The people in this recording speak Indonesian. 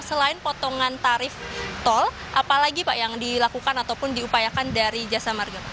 selain potongan tarif tol apalagi pak yang dilakukan ataupun diupayakan dari jasa marga pak